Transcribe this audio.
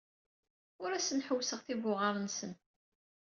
Ur asen-ḥewwseɣ tibuɣar-nsen.